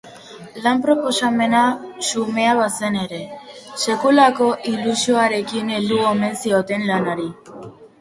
Lan-proposamena xumea bazen ere, sekulako ilusioarekin heldu omen zioten lanari.